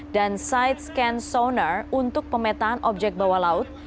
dan side scan sonar untuk pemetaan objek bawah laut